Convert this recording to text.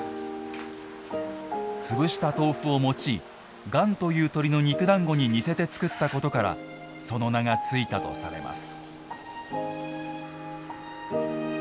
潰した豆腐を用い雁という鳥の肉団子に似せて作ったことからその名がついたとされます。